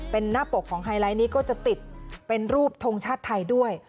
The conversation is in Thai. เป็นหน้าปกของไฮไลท์นี้ก็จะติดเป็นรูปทงชาติไทยด้วย